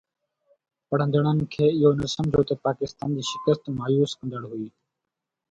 پڙهندڙن کي اهو نه سمجهيو ته پاڪستان جي شڪست مايوس ڪندڙ هئي